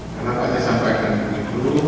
kenapa saya sampaikan begitu